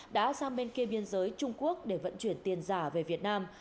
đã sang bên kia biên giới trung quốc để vận chuyển tiền giả về việt nam